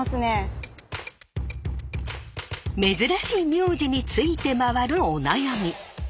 珍しい名字について回るお悩み。